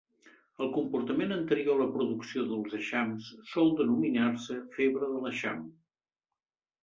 El comportament anterior a la producció dels eixams sol denominar-se febre de l'eixam.